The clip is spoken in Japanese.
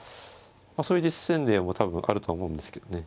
そういう実戦例も多分あるとは思うんですけどね。